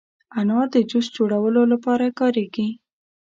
انار د جوس جوړولو لپاره کارېږي.